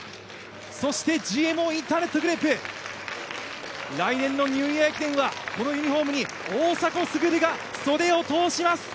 そしてＧＭＯインターネットグループ来年のニューイヤー駅伝はこのユニフォームに大迫傑が袖を通します。